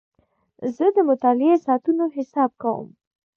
زه د مطالعې د ساعتونو حساب کوم.